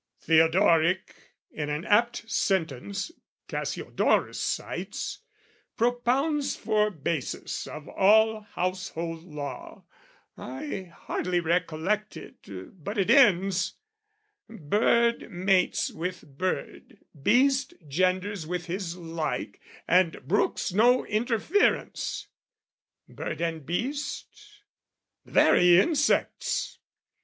Theodoric, In an apt sentence Cassiodorus cites, Propounds for basis of all household law I hardly recollect it, but it ends, "Bird mates with bird, beast genders with his like, "And brooks no interference:" bird and beast? The very insects...